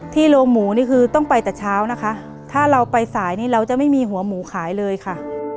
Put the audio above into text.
โรงหมูนี่คือต้องไปแต่เช้านะคะถ้าเราไปสายนี้เราจะไม่มีหัวหมูขายเลยค่ะ